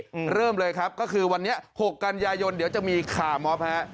อืมเริ่มเลยครับก็คือวันนี้หกกันยายนเดี๋ยวจะมีคาร์มอบฮะ